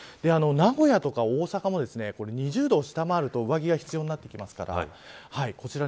名古屋とか大阪も２０度を下回ると上着が必要になってきますからこちら